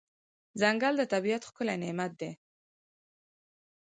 ځنګل د طبیعت ښکلی نعمت دی.